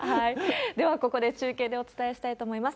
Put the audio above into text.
ではここで、中継でお伝えしたいと思います。